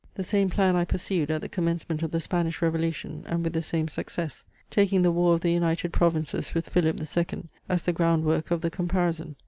The same plan I pursued at the commencement of the Spanish revolution, and with the same success, taking the war of the United Provinces with Philip II as the ground work of the comparison.